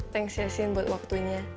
thanks ya sin buat waktunya